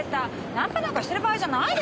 ナンパなんかしてる場合じゃないでしょ。